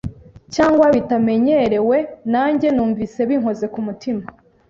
cyangwa bitamenyerewe. Nanjye numvise binkoze ku mutima